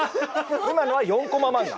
今のは４コマ漫画。